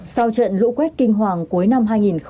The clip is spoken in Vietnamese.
sau trận lũ quét kinh hoàng cuối năm hai nghìn hai mươi